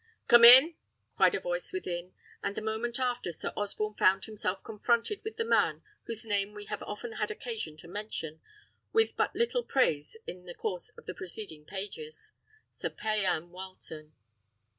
"Come in!" cried a voice within; and the moment after, Sir Osborne found himself confronted with the man whose name we have often had occasion to mention with but little praise in the course of the preceding pages, Sir Payan Wileton.